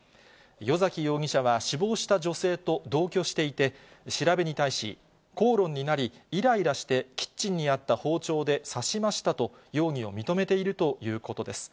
与崎容疑者は死亡した女性と同居していて、調べに対し、口論になり、いらいらしてキッチンにあった包丁で刺しましたと、容疑を認めているということです。